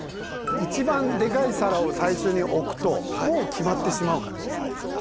一番でかい皿を最初に置くともう決まってしまうからねサイズが。